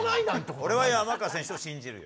俺は山川選手を信じるよ。